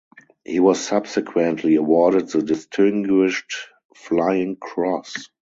He was subsequently awarded the Distinguished Flying Cross.